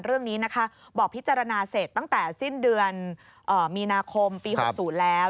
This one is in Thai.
เรื่องนี้นะคะบอกพิจารณาเสร็จตั้งแต่สิ้นเดือนมีนาคมปี๖๐แล้ว